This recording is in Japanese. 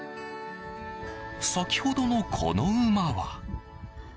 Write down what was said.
先ほどの、この馬は。